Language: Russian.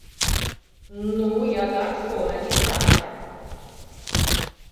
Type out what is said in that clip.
Ну, я так скоро не сдамся.